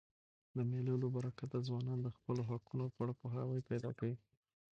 د مېلو له برکته ځوانان د خپلو حقونو په اړه پوهاوی پیدا کوي.